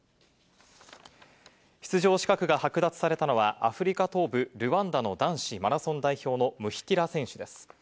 出場資格が剥奪されたのは、アフリカ東部ルワンダの男子マラソン代表のムヒティラ選手です。